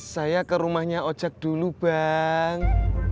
saya ke rumahnya ojek dulu bang